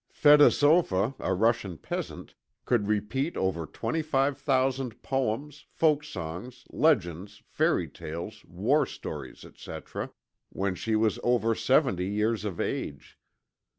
Fedosova, a Russian peasant, could repeat over 25,000 poems, folk songs, legends, fairy tales, war stories, etc., when she was over seventy years of age.